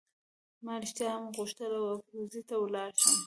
ما رښتیا هم غوښتل ابروزي ته ولاړ شم.